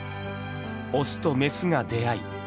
オスとメスが出会い